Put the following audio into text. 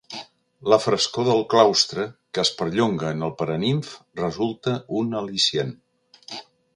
La frescor del claustre, que es perllonga en el paranimf, resulta un al·licient.